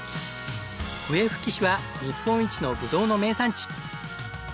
笛吹市は日本一のぶどうの名産地。